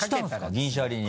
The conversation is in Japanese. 銀シャリに。